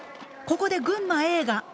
ここで群馬Ａが。